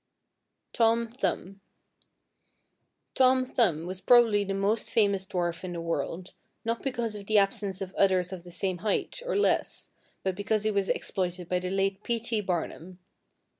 =Tom Thumb.= Tom Thumb was probably the most famous dwarf in the world, not because of the absence of others of the same height, or less, but because he was exploited by the late P. T. Barnum.